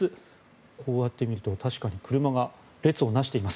こうやって見ると確かに車が列を成しています。